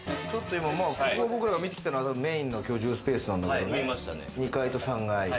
僕らが見てきたのはメーンの居住スペースなんだけれど、２階と３階。